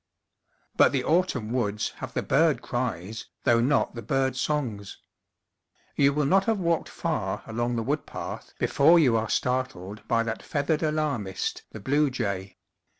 But the autumn woods have the bird cries, though not the bird songs. You will not have walked far along the wood path before you are startled by that feathered alarmist, the blue jay.